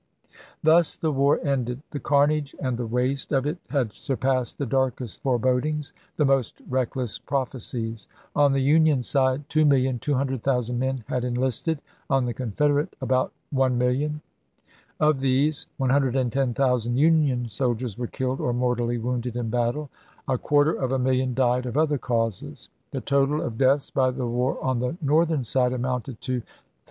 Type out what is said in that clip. Thus the war ended. The carnage and the waste of it had surpassed the darkest forebodings, the most reckless prophecies. On the Union side 2,200,000 men had enlisted ; 1 on the Confederate, about 1,000,000. Of these 110,000 Union soldiers were killed or mortally wounded in battle ; 2 a quar ter of a million died of other causes. The total of deaths by the war on the Northern side amounted to 360,282.